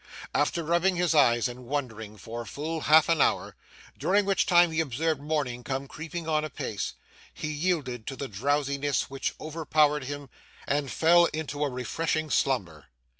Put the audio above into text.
After rubbing his eyes and wondering for full half an hour, during which time he observed morning come creeping on apace, he yielded to the drowsiness which overpowered him and fell into a refreshing slumber.